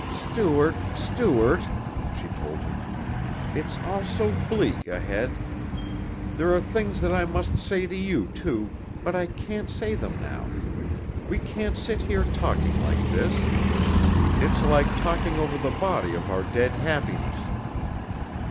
"Stuart, Stuart," she told him, "it's all so bleak ahead! There are things that I must say to you, too, but I can't say them now. We can't sit here talking like this. It's like talking over the body of our dead happiness."